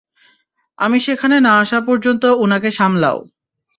আমি সেখানে না আসা পর্যন্ত উনাকে সামলাও।